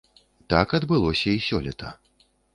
Так адбылося і сёлета.